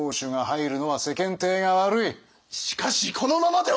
しかしこのままでは！